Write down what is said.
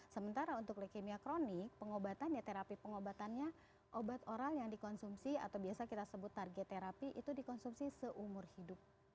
sementara untuk leukemia kronik pengobatannya terapi pengobatannya obat oral yang dikonsumsi atau biasa kita sebut target terapi itu dikonsumsi seumur hidup